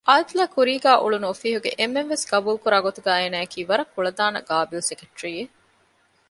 އާދިލާ ކުރީގައި އުޅުނު އޮފީހުގެ އެންމެންވެސް ގަބޫލު ކުރާގޮތުގައި އޭނާއަކީ ވަރަށް ކުޅަދާނަ ޤާބިލް ސެކެޓްރީއެއް